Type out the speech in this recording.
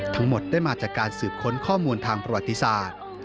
ทั้งหมดได้มาจากการสืบค้นข้อมูลทางประวัติศาสตร์